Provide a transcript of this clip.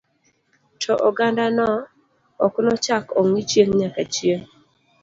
To ogandano, ok nochak ongi chieng nyaka chieng